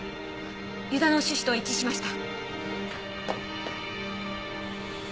湯田の種子と一致しました。